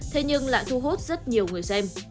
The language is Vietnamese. thế nhưng lại thu hút rất nhiều người xem